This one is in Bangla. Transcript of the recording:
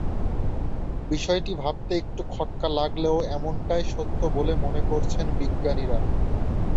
বিষয়টা ভাবতে একটু খটকা লাগলেও এমনটাই সত্য বলে মনে করছেন বিজ্ঞানীরা।